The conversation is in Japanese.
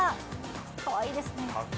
かわいいですね。